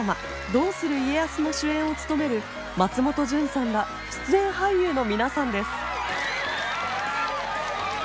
「どうする家康」の主演を務める松本潤さんら出演俳優の皆さんです。